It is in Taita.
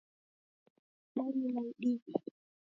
Dalila idime